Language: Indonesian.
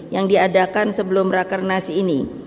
yang diadakan sebelum rakernas ini